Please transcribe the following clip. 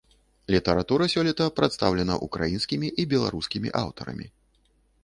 Літаратура сёлета прадстаўлена украінскімі і беларускімі аўтарамі.